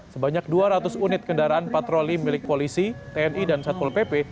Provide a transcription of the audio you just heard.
sebanyak dua ratus unit kendaraan patroli milik polisi tni dan satpol pp